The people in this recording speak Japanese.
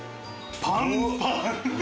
パンパン！